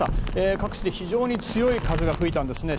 各地で非常に強い風が吹いたんですね。